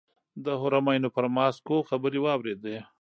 د حرمینو پر ماسکو خبرې واورېدې.